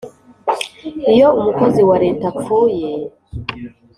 iyo umukozi wa leta apfuye